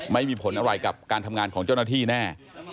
ไม่มีผลอะไรกับการทำงานของเจ้าหน้าที่แน่